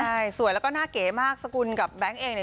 ใช่สวยแล้วก็หน้าเก๋มากสกุลกับแบงค์เองเนี่ย